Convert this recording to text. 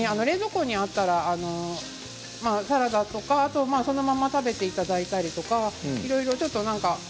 冷蔵庫にあったらサラダとかそのまま食べていただいたりとかいろいろ。